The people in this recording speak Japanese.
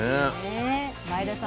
前田さん